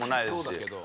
そうだけど。